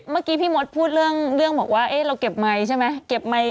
เมื่อกี้พี่มอธพูดเรื่องบอกว่าเฮ้ยเราเก็บไมค์ใช่ไหม